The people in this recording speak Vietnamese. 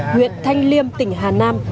nguyện thanh liêm tỉnh hà nam